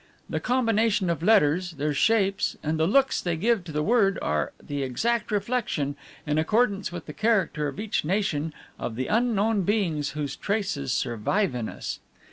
The combination of letters, their shapes, and the look they give to the word, are the exact reflection, in accordance with the character of each nation, of the unknown beings whose traces survive in us.